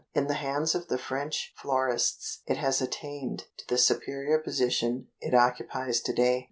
In the hands of the French florists it has attained to the superior position it occupies to day.